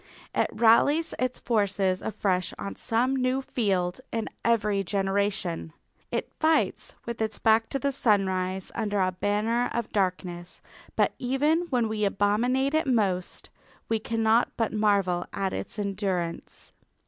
It rallies its forces afresh on some new field in every generation. It fights with its back to the sunrise under a banner of darkness, but even when we abominate it most we cannot but marvel at its endurance.